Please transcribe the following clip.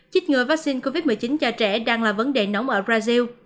chích ngừa vaccine covid một mươi chín cho trẻ đang là vấn đề nóng ở brazil